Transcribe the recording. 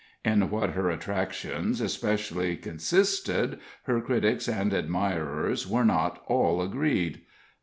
In what her attractions especially consisted, her critics and admirers were not all agreed.